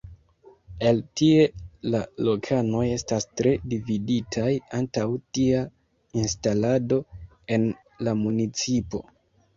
El tie la lokanoj estas tre dividitaj antaŭ tia instalado en la municipo.